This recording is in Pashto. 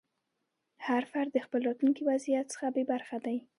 هر فرد د خپل راتلونکي وضعیت څخه بې خبره دی.